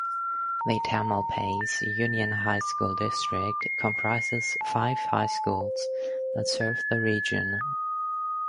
The Tamalpais Union High School District comprises five high schools that serve the region.